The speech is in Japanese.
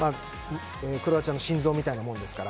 クロアチアの心臓みたいなものですから。